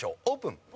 オープン！